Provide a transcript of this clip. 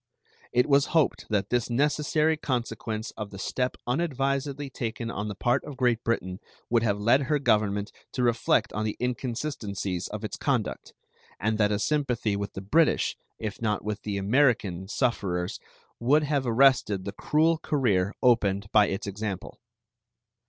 It was hoped that this necessary consequence of the step unadvisedly taken on the part of Great Britain would have led her Government to reflect on the inconsistencies of its conduct, and that a sympathy with the British, if not with the American, sufferers would have arrested the cruel career opened by its example.